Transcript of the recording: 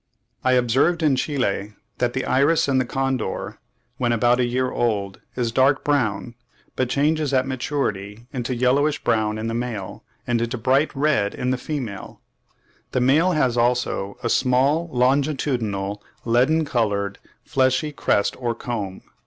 I observed in Chile (46. 'Zoology of the Voyage of H.M.S. "Beagle,"' 1841, p. 6.) that the iris in the condor, when about a year old, is dark brown, but changes at maturity into yellowish brown in the male, and into bright red in the female. The male has also a small, longitudinal, leaden coloured, fleshy crest or comb.